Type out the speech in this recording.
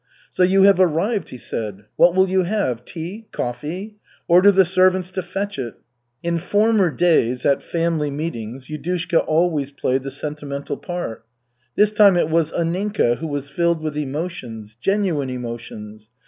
"So you have arrived?" he said. "What will you have, tea, coffee? Order the servants to fetch it." In former days, at family meetings, Yudushka always played the sentimental part. This time it was Anninka who was filled with emotions, genuine emotions.